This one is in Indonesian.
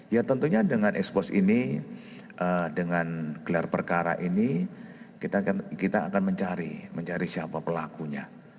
ya tentunya dengan ekspos ini dengan gelar perkara ini kita akan mencari mencari siapa pelakunya